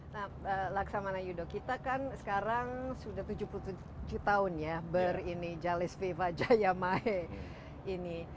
nah laksamana yudho kita kan sekarang sudah tujuh puluh tujuh tahun ya berinisialis viva jaya mahe ini